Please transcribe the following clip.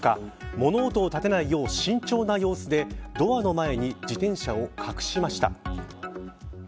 物音を立てないよう慎重な様子でドアの前に自転車を隠しました。